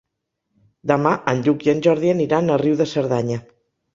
Demà en Lluc i en Jordi aniran a Riu de Cerdanya.